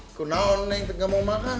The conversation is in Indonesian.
aku tau neng enggak mau makan